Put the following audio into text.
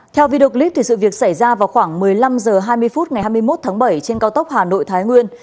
theo video clip sự việc xảy ra vào khoảng một mươi năm h hai mươi phút ngày hai mươi một tháng bảy trên cao tốc hà nội thái nguyên